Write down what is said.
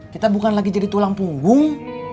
kita bukan lagi jadi tulang punggung